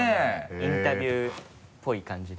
インタビューっぽい感じで。